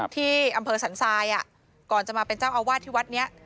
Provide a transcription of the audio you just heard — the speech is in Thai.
ที่อำเภอสันทรายก่อนจะมาเป็นเจ้าอาวาสที่วัดนี้